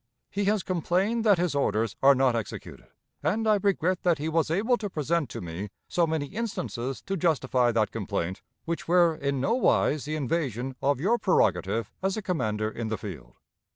He has complained that his orders are not executed, and I regret that he was able to present to me so many instances to justify that complaint, which were in no wise the invasion of your prerogative as a commander in the field.